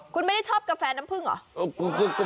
คุณไม่ได้ชอบกาแฟน้ำผึ้งเหรอ